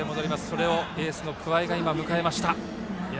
それをエースの桑江が迎えました。